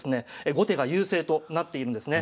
後手が優勢となっているんですね。